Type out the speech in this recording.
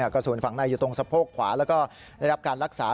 กระสุนฝั่งในอยู่ตรงสะโพกขวาแล้วก็ได้รับการรักษา